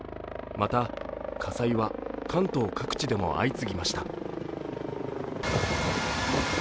また、火災は関東各地でも相次ぎました。